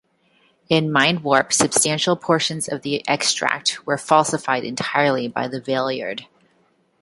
In "Mindwarp" substantial portions of the extract were falsified entirely by the Valeyard.